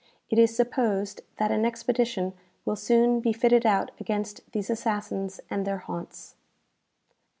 It is supposed that an expedition will soon be fitted out against these assassins and their haunts.'"